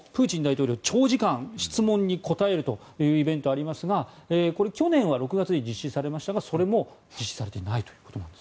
更に、恒例のプーチン大統領長時間質問に答えるというイベントがありますが去年は６月に実施されましたがそれも実施されていないということです。